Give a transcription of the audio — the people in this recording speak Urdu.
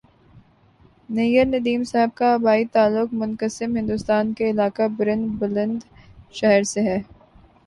نیّرندیم صاحب کا آبائی تعلق منقسم ہندوستان کے علاقہ برن بلند شہر سے ہے